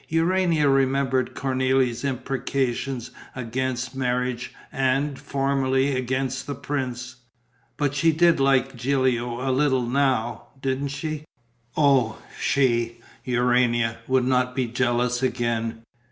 Urania remembered Cornélie's imprecations against marriage and, formerly, against the prince. But she did like Gilio a little now, didn't she? Oh, she, Urania, would not be jealous again!